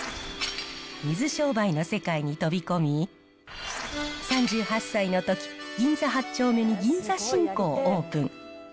水商売の世界に飛び込み、３８歳のとき、銀座８丁目に銀座シンコをオープン。